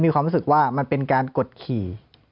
มีความรู้สึกว่ามันเป็นการกดขี่